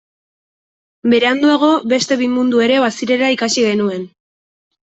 Beranduago beste bi mundu ere bazirela ikasi genuen.